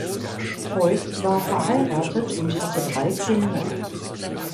Voigt war verheiratet und hatte drei Kinder.